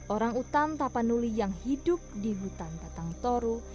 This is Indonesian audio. orang utan tapanuli yang hidup di hutan tatang toru